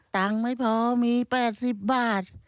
ตังค์ไม่พอมี๘๐บาท